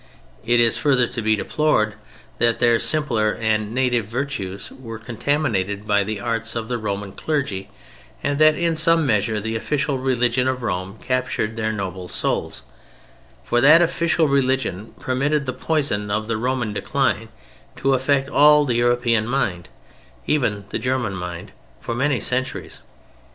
It is further to be deplored that their simpler and native virtues were contaminated by the arts of the Roman clergy and that in some measure the official religion of Rome captured their noble souls; for that official religion permitted the poison of the Roman decline to affect all the European mind—even the German mind—for many centuries.